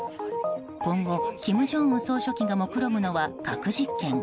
今後、金正恩総書記がもくろむのは核実験。